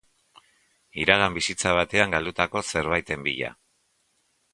Iragan bizitza batean galdutako zerbaiten bila.